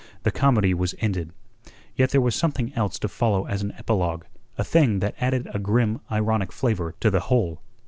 The comedy was ended. Yet there was something else to follow as an epilogue, a thing that added a grim ironic flavour to the whole.